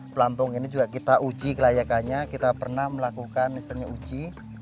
pelampung ini juga kita uji kelayakannya kita pernah melakukan misalnya uji